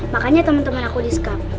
makanya temen temen aku disekap